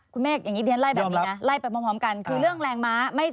คุณเมฆเดี๋ยวเล่าให้แบบนี้นะร่ายไปพร้อมกันคือเรื่องแรงม้า